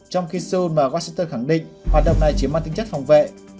trong khi seoul và washington khẳng định hoạt động này chiếm mặt tính chất phòng vệ